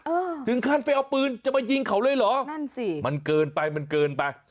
เออถึงขั้นไปเอาปืนจะมายิงเขาเลยเหรอนั่นสิมันเกินไปมันเกินไป